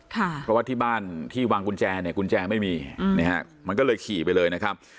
เพราะว่าที่บ้านที่วางกุญแจเนี่ยกุญแจไม่มีนะฮะมันก็เลยขี่ไปเลยนะครับ